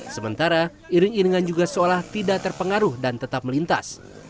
sementara iring iringan juga seolah tidak terpengaruh dan tetap melintas